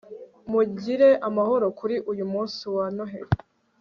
mugire amahoro kuri uyu munsi wa noheri